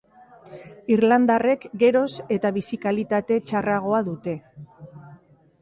Irlandarrek geroz eta bizi-kalitate txarragoa dute.